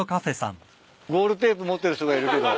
ゴールテープ持ってる人がいるけど。